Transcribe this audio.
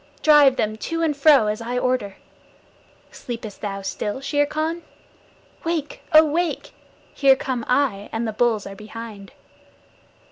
Drive them to and fro as I order. Sleepest thou still, Shere Khan? Wake, oh, wake! Here come I, and the bulls are behind.